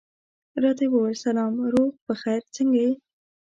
راته یې وویل سلام، روغ په خیر، څنګه یې؟